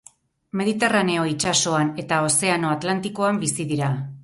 Mediterraneo itsasoan eta Ozeano Atlantikoan bizi dira.